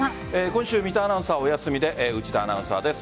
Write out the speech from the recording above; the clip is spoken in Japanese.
今週三田アナウンサーがお休みで内田アナウンサーです。